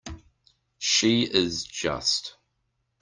She is just.